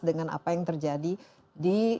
dengan apa yang terjadi di